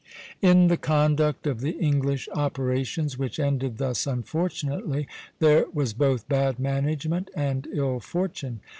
In the conduct of the English operations, which ended thus unfortunately, there was both bad management and ill fortune.